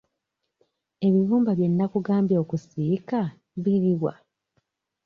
Ebibumba bye nnakugambye okusiika biri wa?